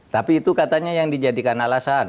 tapi itu katanya yang dijadikan alasan